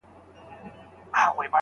لمر کرار کرار نیژدې سو د غره خواته